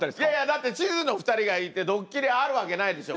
だって地図の２人がいてドッキリあるわけないでしょ。